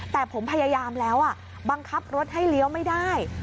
แต่ผมพยายามแล้วบังคับรถให้เลี้ยวไม่ได้